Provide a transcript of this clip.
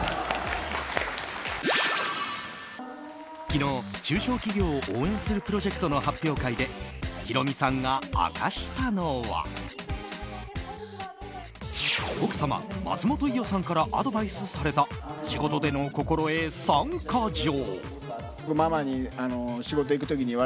昨日、中小企業を応援するプロジェクトの発表会でヒロミさんが明かしたのは奥様・松本伊代さんからアドバイスされた仕事での心得３か条。